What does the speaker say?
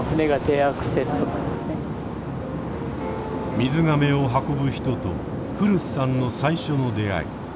「水がめを運ぶ人」と古巣さんの最初の出会い。